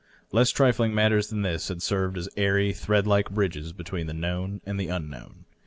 Less trifling matters than this had served as airy thread like bridges between the known and the unknown.